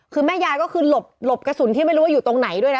คือแม่ยายก็คือหลบกระสุนที่ไม่รู้ว่าอยู่ตรงไหนด้วยนะ